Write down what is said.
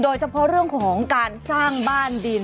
โดยเฉพาะเรื่องของการสร้างบ้านดิน